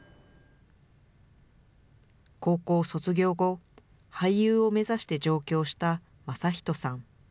高校卒業後、俳優を目指して上京した正仁さん。